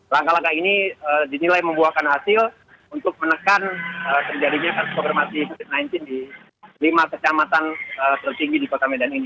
langkah langkah ini dinilai membuahkan hasil untuk menekan terjadinya kasus konfirmasi covid sembilan belas di lima kecamatan tertinggi di kota medan ini